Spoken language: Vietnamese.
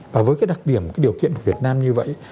và với cái đặc điểm cái điều kiện của việt nam như vậy